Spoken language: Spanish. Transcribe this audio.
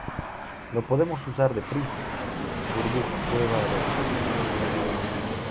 lo podemos usar de prisma. burbuja, prueba a ver.